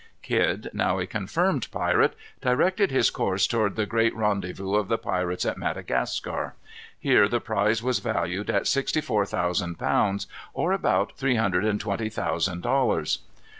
Kidd, now a confirmed pirate, directed his course toward the great rendezvous of the pirates at Madagascar. Here the prize was valued at sixty four thousand pounds, or about three hundred and twenty thousand dollars.